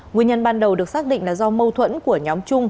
nguyên nhân ban đầu được xác định là do mâu thuẫn của nhóm trung